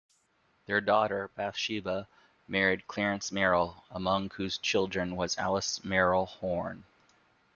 Their daughter, Bathsheba, married Clarence Merrill, among whose children was Alice Merrill Horne.